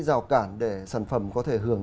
rào cản để sản phẩm có thể hưởng